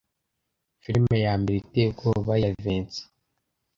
Filime ya mbere iteye ubwoba ya Vincent